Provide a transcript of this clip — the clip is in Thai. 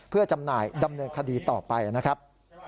เพื่อจำหน่ายดำเนินคดีต่อไปนะครับ